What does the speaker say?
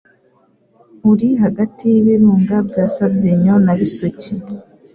uri hagati y'Ibirunga bya Sabyinyo na Bisoke